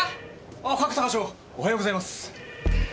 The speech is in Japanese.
あ角田課長おはようございます。